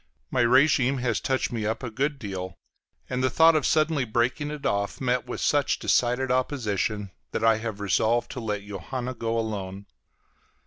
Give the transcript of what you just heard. My régime has touched me up a good deal, and the thought of suddenly breaking it off met with such decided opposition that I have resolved to let Johanna go alone.